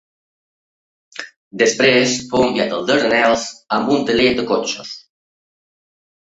Després fou enviat als Dardanels en un taller de cotxes.